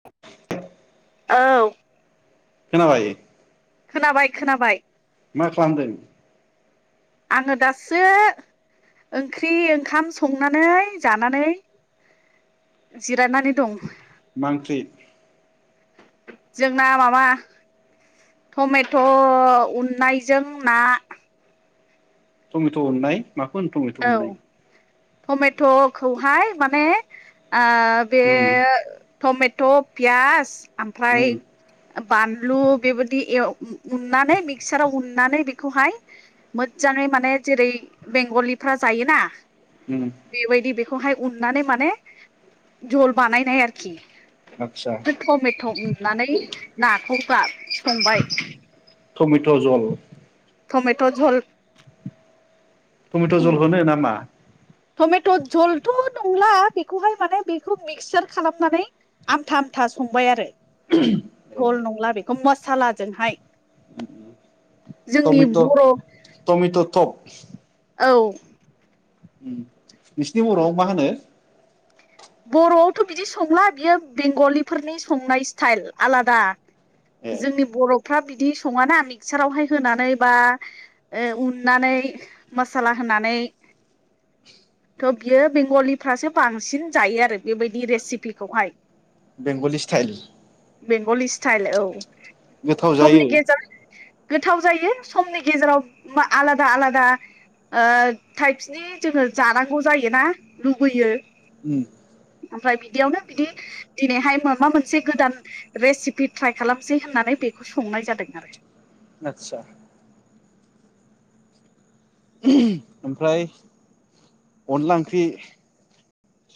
[unintelligible] औ खोनाबाय खोनाबाय खोनाबाय मा खालामदों आङो दासो ओंख्रि ओंखाम संनानै जानानै जिरायनानै दं मा ओंख्रि जोंना माबा टमेट' उननायजों ना टमेट' उनाय माखौ होनो टमेट' औ उननाय? टमेट'खौहाय माने ओ बे उम टमे थ' पियास ओमफ्राय उम बानलु बेबायदिनानै ए उननानै मिक्साराव उनानै बेखौहाय मोजाङै माने जेरै बेंगलिफ्रा जायोना उम बेबायदि । खौहाय उननानै माने झल बानायनाय आरोखि आदसा । टमेट' उननानै नाखौ गार संबाय टमेट' जल टमेट' झल टमेट' जल होनो नामा? टमेट' जझलथ' नंला बेखौहाय माने बेखौ मिक्सार खालामनानै आमथा आमथा सङो संबाय आरो झल नंला बेखौ मसालाजोंहाय जोंनि टमेट' बर' टमेट' थप औ नोंसिनि बर'आव मा होनो बर'आवथ' बिदि संला बियो बेंगलिफोरनि संनाय स्टाइल आलादा ए जोंनि बर'फ्रा बिदि सङाना मिक्सारावहाय होनानै बा उननानै मसाला होनानै थ बियो बेंगलिफ्रासो बांसिन जायो आरो बेबायदि रेसिपिखौहाय बेंगलि सटाइल बेंगलि स्टाइल औ जायो समनि गेजेराव गोथाव जायो समनि गेजेराव मा आलादा आलादा ओ थाइपनि जोङो जानांगौ जायो ना लुबैयो । उम ओमफाय बिदियावनो बिदि दिनैहाय माबा मोनसे गोदान रेसिपि ट्राय खालामसै होननानै बेखौ संनाय जादों आरो । आच्छा। ओमफ्राय अनला ओंख्रि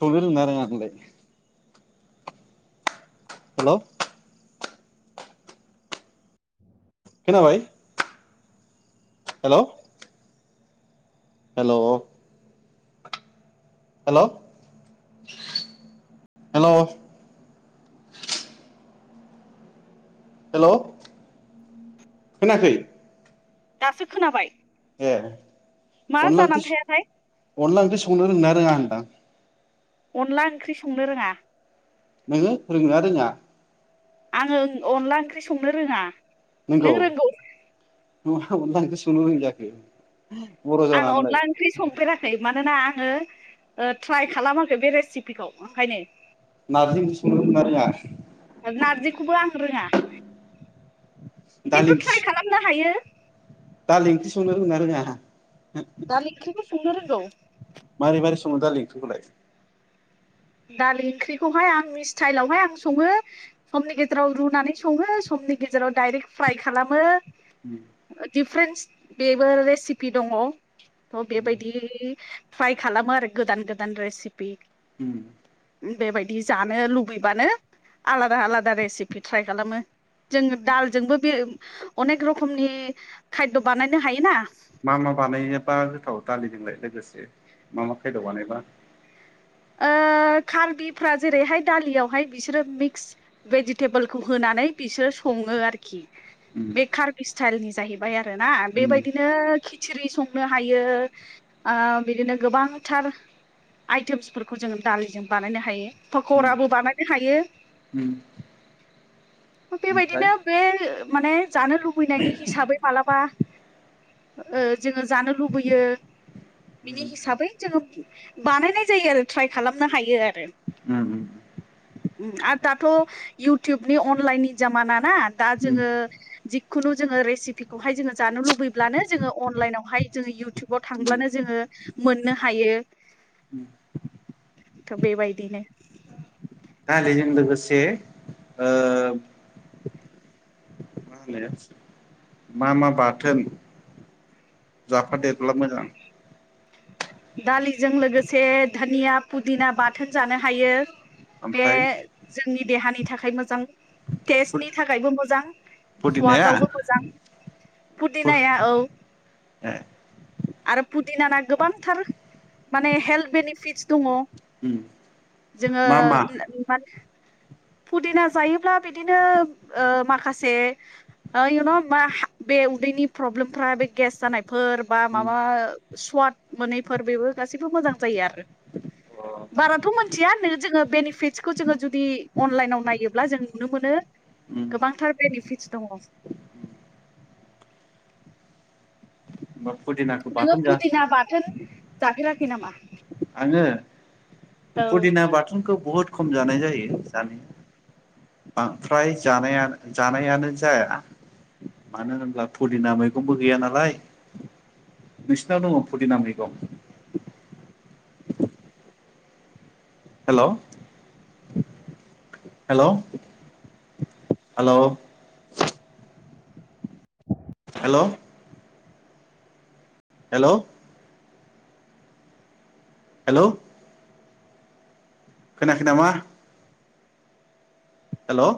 संनो रोङोना रोङा नोंलाय? हेलौ । खोनाबाय? Hello hello. Hello hello hello. खोनायाखै? दासो खोनाबाय । ए अनला ओंख्रि स थायाथाय अनला ओंख्रि संनो रोङोना रोङा होनदां? अनला ओंख्रि संनो रोङा । नोङो रोङोना रोङा? आङो अनला ओंख्रि संनो रोङा । नोंगौ [unintelligible] अनला ओंख्रि संनो रोङि जाखो? बर' आं जानानैलाय अनला ओंख्रि संफेराखै मानोना ओ ट्राइ खालामाखै बे रेसिपिखौ ओंखायनो । नारजि ओंख्रि संनो‌ रोङोना रोङा? नारजिखौबो आं रोङा दालि खिन्थु ट्राइ ओंख्रि खालामनो हायो । दालि ओंख्रि संनो रोङोना रोङा? दालि ओंख्रिखौ संनो रोंगौ । मारै मारै सङो दालि ओंख्रिखौलाय? दालि ओंख्रिखौहाय आंनि स्टाइलावहाय आं सङो समनि गेजेराव रुनानै सङो सम नि गेजेराव डाइरेक्ट फ्राइ खालामो उम। फ्रेन्स बेबो रेसिपि दङ थ बेबायदि ट्राय खालामो आरो गोदान गोदान रेसिपि उम। बेबायदि जानो लुबैबानो आलादा आलादा रेसिपि ट्राय खालामो । जोङो दालजोंबो बे अनेक रोखमनि खायद बानायनो हायोना । मा मा बानायोबा गोथाव दालिजोंलाय लोगोसे मा मा खायद बानायबा? ओ । कार्बिफ्रा जेरैहाय दालियावहाय बिसोरो मिक्स भेजितेबोलखौ होनानै बिसोरो सङो आरोखि उम । बे कार्बि स्टाइलनि जाहैबाय आरो ना उम बेबायदिनो खिसिरि सं नो हायो ओ बिदिनो गोबांथार आइतोमस फोरखौ जोङो दालिजों बानायनो हायो उम पकराबो बानायनो हायो । उम ओमफ्राय बेबायदिनो बे माने जानो लुबैनायनि हिसाबै मालाबा । ओ जोङो जानो लुबैयो उम बिनि हिसाबै जोङो बानायनाय जायो आरो ट्राइ खालामनो हायो आरो उम उम ओम आरो दाथ इउटुबनि अनलाइन नि जामाना ना दा जोङो जिखुनु जोङो रेसिपिखौहाय जोङो जानो लुबैब्लानो जोङो अनलाइनावहाय जोङो इउटुबाव उम थांब्लानो जोङो । मोननो हायो । उम थ बेबायदिनो। दा बेजों लोगोसे ओ [unintelligible] मा मा बाथोन। जाफादेरब्ला मोजां दालिजों लोगोसे धनिया फुदिना बाथोन जानो हायो। बे ओमफाय। जोंनि देहानि थाखाय मोजां टेस्टनि थाखायबो मोजां पुदिनाया सवादावबो मोजां। पुदिनाया औ ओ आरो पुदिनाना गोबांथार माने हेल्थ बेनिफिटस दंङ। उम जोङो मा मा [unintelligible] पुदिना जायोब्ला बिदिनो ओ माखासे ओ इउ न बे उदैनि प्रब्लेमफ्रा बे गेस जानायफोर बा उम माबा स्वाद मोनैफोर बेबो गासैबो मोजां जायो आरो। उम बाराथ' मोनथिया नो जोङो बेनिफिटसखौ जोङो जुदि अनलाइनाव नायोब्ला जों नुनो मोनो। गोबांथार बेनिफिटस दंङ। होमबा पुदिनाखौ नोंङो बाथोन जा फुदिना बाथोन जाफेराखै नामा? आंङो औ पुदिना बाथोनखौ बुहुद खम जानाय जायो जानाय फ्राय जानायानो जानायानो जाया। मानो होनब्ला पुदिना मैगंबो गैया नालाय। नोंसिनाव दंङ पुदिना मैगं। Hello hello hello hello hello hello खोनायाखै नामा? हेलौ